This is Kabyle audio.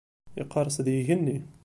Yeqqers-d yigenni.